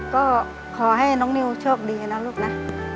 ก็ขอให้น้องนิวโชคดีนะลูกนะ